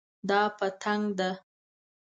دا پتنګ ده